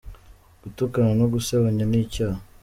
gutukana no gusebanya nicyaha.